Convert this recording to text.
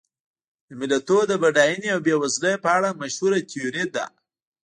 د ملتونو د بډاینې او بېوزلۍ په اړه مشهوره تیوري ده.